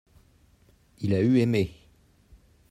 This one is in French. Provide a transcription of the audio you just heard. il a eu aimé.